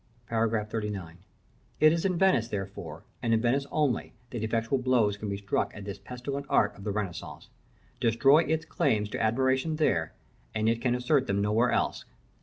§ XXXIX. It is in Venice, therefore, and in Venice only that effectual blows can be struck at this pestilent art of the Renaissance. Destroy its claims to admiration there, and it can assert them nowhere else.